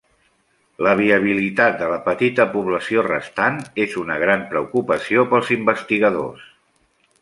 La viabilitat de la petita població restant és una gran preocupació pels investigadors.